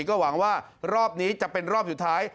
ก็หวังว่ารอบนี้จะเป็นรอบสุดท้าย